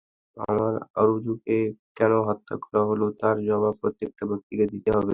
আমার আরজুকে কেন হত্যা করা হলো, তার জবাব প্রত্যেকটা ব্যক্তিকে দিতে হবে।